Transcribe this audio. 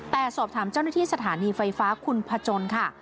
แต่สอบถามเจ้าหน้าที่สถานีไฟฟ้าคุณพจนค่ะ